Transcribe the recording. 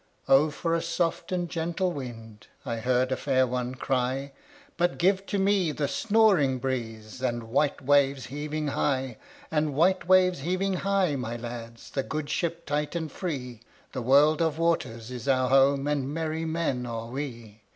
"O for a soft and gentle wind!"I heard a fair one cry:But give to me the snoring breezeAnd white waves heaving high; And white waves heaving high, my lads, The good ship tight and free—The world of waters is our home, And merry men are we.